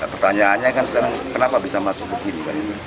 pertanyaannya kan sekarang kenapa bisa masuk begini